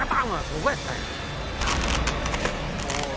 すごい！